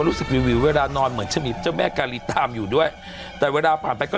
รู้สึกวิวเวลานอนเหมือนจะมีเจ้าแม่กาลีตามอยู่ด้วยแต่เวลาผ่านไปก็